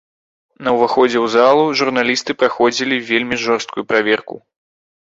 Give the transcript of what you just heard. На ўваходзе ў залу журналісты праходзілі вельмі жорсткую праверку.